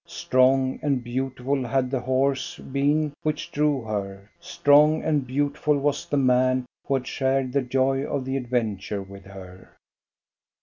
Strong and beautiful had the horse been which drew her, strong and beautiful was the man who had shared the joy of the adventure with her.